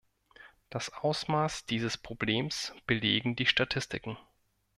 Das Ausmaß dieses Problems belegen die Statistiken.